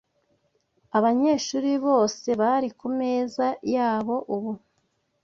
Abanyeshuri bose bari kumeza yabo ubu.